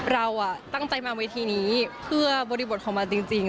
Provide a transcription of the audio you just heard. เราตั้งใจมาเวทีนี้เพื่อบริบทของมันจริง